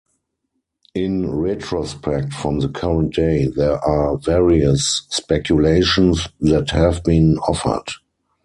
In retrospect from the current day, there are various speculations that have been offered.